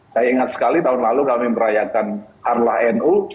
saya ingat sekali tahun lalu kami merayakan harlah nu